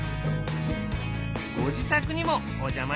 ご自宅にもお邪魔したよ。